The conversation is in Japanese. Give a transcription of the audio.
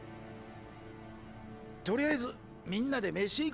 とりあえずみんなで飯行こうぜ？